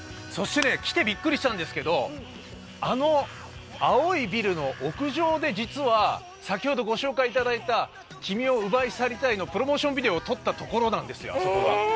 そして来てびっくりしたんですけど、あの青いビルの屋上で、実は先ほどご紹介いただいた、「君を奪い去りたい」のプロモーションビデオを撮ったところなんですよ。